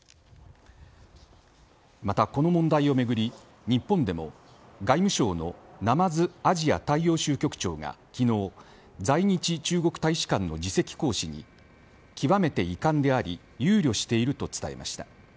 また、この問題をめぐり日本でも外務省の鯰アジア大洋州局長が昨日、在日中国大使館の次席公使に極めて遺憾であり憂慮していると伝えました。